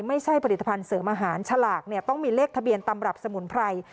ไม่ใช่ผลิตภัณฑ์เสริมอาหารฉลากเนี่ยต้องมีเลขทะเบียนตำรับสมุนไพร